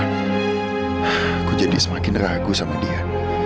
aku jadi semakin ragu sama dia